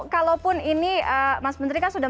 kalaupun ini mas menteri kan sudah